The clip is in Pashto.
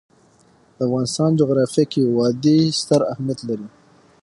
د افغانستان جغرافیه کې وادي ستر اهمیت لري.